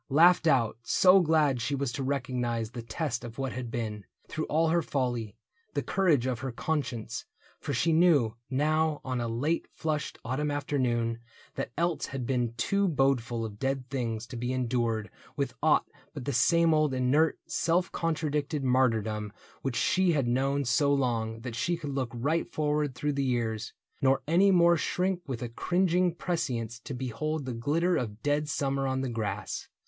Laughed out, so glad she was to recognize The test of what had been, through all her folly. The courage of her conscience ; for she knew, Now on a late flushed autumn afternoon That else had been too bodeful of dead things To be endured with aught but the same old Inert, self contradicted martyrdom Which she had known so long, that she could look Right forward through the years, nor any more Shrink with a cringing prescience to behold The glitter of dead summer on the grass.